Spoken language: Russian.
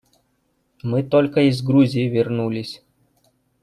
Мы только из Грузии вернулись.